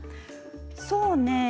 そうね。